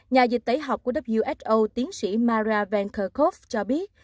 nhà dịch tẩy học của who tiến sĩ mara van kerkhove